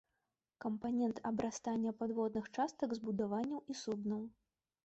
Кампанент абрастання падводных частак збудаванняў і суднаў.